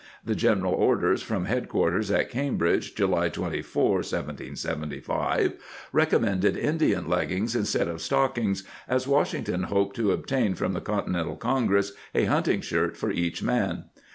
^ The general orders from head quarters at Cambridge, July 24, 1775, recommended Indian leggings instead of stockings, as Washington hoped to obtain from the Continental Congress a hunting shirt for each man.